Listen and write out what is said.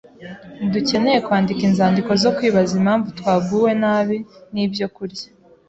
ntidukeneye kwandika inzandiko zo kwibaza impamvu twaguwe nabi n’ibyokurya